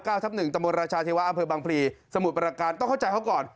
เก้าทับหนึ่งตะโมนราชาธิวะอำเภอบางพลีสมุดปราการต้องเข้าใจเขาก่อน